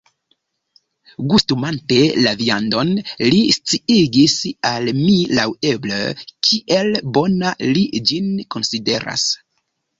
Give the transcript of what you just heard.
Gustumante la viandon, li sciigis al mi laŭeble, kiel bona li ĝin konsideras.